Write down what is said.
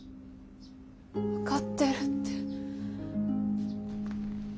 分かってるって。